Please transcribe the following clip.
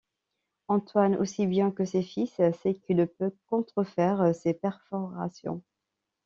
Antoine, aussi bien que ses fils, sait qu’ils ne peut contrefaire ces perforations.